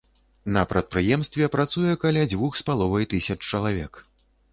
На прадпрыемстве працуе каля дзвюх з паловай тысяч чалавек.